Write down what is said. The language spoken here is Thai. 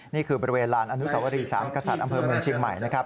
นี่คือบริเวณลานอนุสวรี๓กศัตริย์อำเภบเมืองเฉียงใหม่